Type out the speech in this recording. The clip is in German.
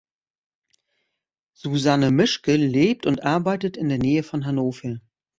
Susanne Mischke lebt und arbeitet in der Nähe von Hannover.